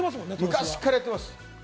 昔からやってます。